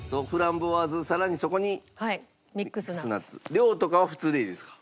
量とかは普通でいいですか？